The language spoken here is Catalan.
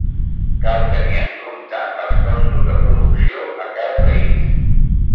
Cal tenir en compte els costos de producció a cada país.